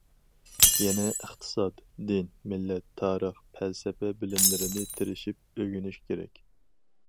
يەنە ئىقتىساد، دىن، مىللەت، تارىخ، پەلسەپە بىلىملىرىنى تىرىشىپ ئۆگىنىش كېرەك.